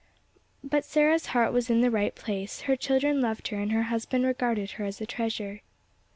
But Sarah's heart was in the right place; her children loved her, and her husband regarded her as a treasure.